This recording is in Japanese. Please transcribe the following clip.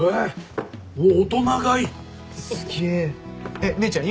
えっ姉ちゃん